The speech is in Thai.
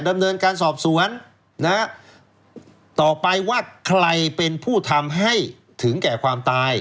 ดำเนินการสอบสวนต่อไปว่าใครเป็นผู้ทำให้ถึงแก่ความตาย